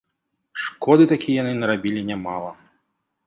Шкоды такі яны нарабілі нямала.